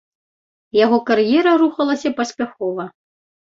Яго кар'ера рухалася паспяхова.